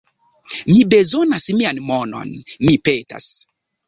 Mi bezonas mian monon, mi petas